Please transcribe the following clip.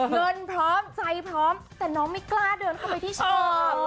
เงินพร้อมใจพร้อมแต่น้องไม่กล้าเดินเข้าไปที่โชว์